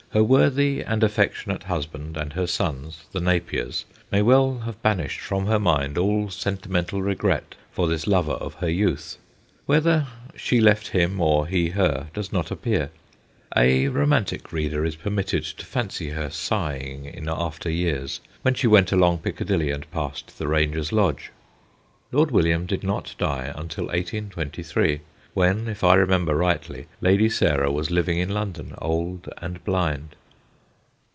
Her worthy and. affectionate husband and her sons, the Napiers, may well have banished from her mind all sentimental regret for this lover of her youth ; whether she left him, or he her, does not appear ; a romantic reader is permitted to fancy her sighing in after years when she went along Piccadilly and passed the Ranger's Lodge. Lord William did not die until 1823, when, if I remember rightly, Lady Sarah was living in London, old and blind.